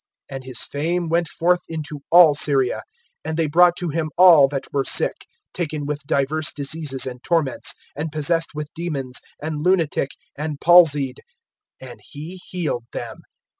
(24)And his fame went forth into all Syria; and they brought to him all that were sick, taken with divers diseases and torments, and possessed with demons, and lunatic, and palsied; and he healed them.